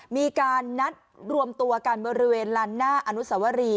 มีการนัดรวมตัวกันบริเวณลานหน้าอนุสวรี